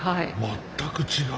全く違う。